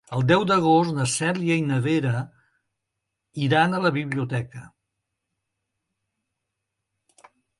El deu d'agost na Cèlia i na Vera iran a la biblioteca.